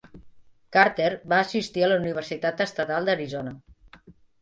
Carter va assistir a la Universitat Estatal d'Arizona.